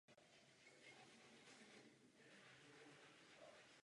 Přednášky se prostřednictvím internetu aplikují do výukových míst v rámci celé České republiky.